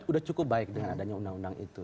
sudah cukup baik dengan adanya undang undang itu